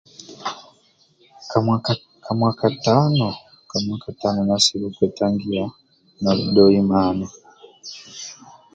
Ka mwaka tano ka mwaka tano